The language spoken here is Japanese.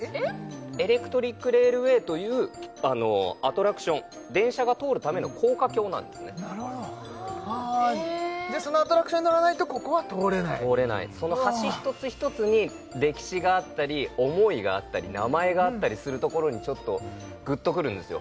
エレクトリックレールウェイというアトラクション電車が通るための高架橋なんですああでそのアトラクションに乗らないとここは通れない通れないその橋一つ一つに歴史があったり思いがあったり名前があったりするところにちょっとグッとくるんですよ